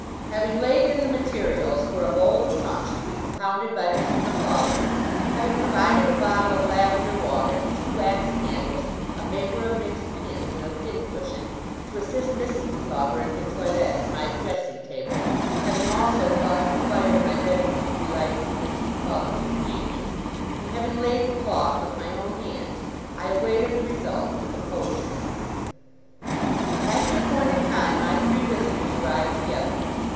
Having laid in the materials for a bowl of punch, to be compounded by Mr. Micawber; having provided a bottle of lavender water, two wax candles, a paper of mixed pins, and a pincushion, to assist Mrs. Micawber in her toilette at my dressing table; having also caused the fire in my bedroom to be lighted for Mrs. Micawber's convenience; and having laid the cloth with my own hands, I awaited the result with composure. At the appointed time, my three visitors arrived together.